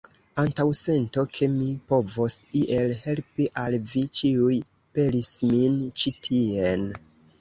Antaŭsento, ke mi povos iel helpi al vi ĉiuj, pelis min ĉi tien.